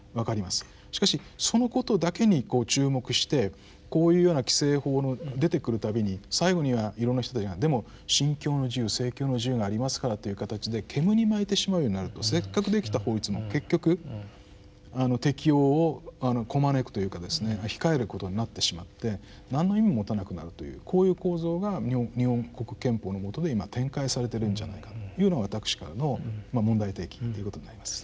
しかしそのことだけに注目してこういうような規制法の出てくる度に最後にはいろんな人たちが「でも『信教の自由』政教の自由がありますから」という形で煙に巻いてしまうようになるとせっかくできた法律も結局適用をこまねくというかですね控えることになってしまって何の意味も持たなくなるというこういう構造が日本国憲法のもとで今展開されてるんじゃないかというのが私からの問題提起ということになります。